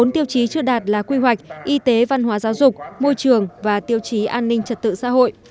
bốn tiêu chí chưa đạt là quy hoạch y tế văn hóa giáo dục môi trường và tiêu chí an ninh trật tự xã hội